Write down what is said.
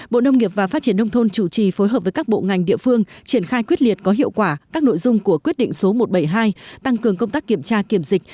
bộ nông nghiệp và phát triển nông thôn chủ trì phối hợp với các bộ ngành địa phương triển khai quyết liệt có hiệu quả các nội dung của quyết định số một trăm bảy mươi hai tăng cường công tác kiểm tra kiểm dịch